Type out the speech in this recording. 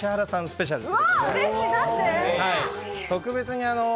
スペシャルです。